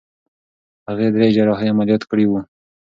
هغې درې جراحي عملیاتونه کړي دي.